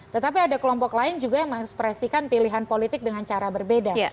tetapi ada kelompok lain juga yang mengekspresikan pilihan politik dengan cara berbeda